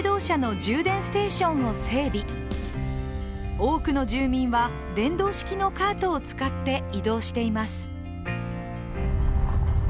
多くの住民は、電動式のカートを使って移動しています。